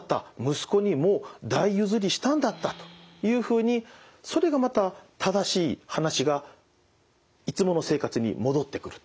息子にもう代譲りしたんだったというふうにそれがまた正しい話がいつもの生活に戻ってくると。